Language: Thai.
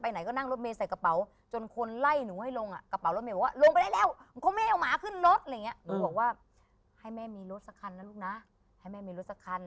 หนูบอกว่าให้แม่มีรถสักคันนะลูกนะให้แม่มีรถสักคัน